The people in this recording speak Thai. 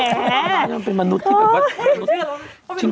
มันเป็นมนุษย์ที่เป็นมนุษย์